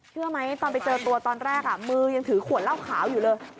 เชื่อไหมตอนไปเจอตัวตอนแรกมือยังถือขวดเหล้าขาวอยู่เลย